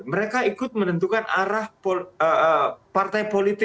mereka ikut menentukan arah partai politik